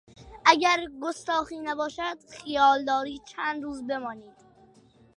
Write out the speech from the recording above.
اگر گستاخی نباشد -- خیال دارید چند روز بمانید؟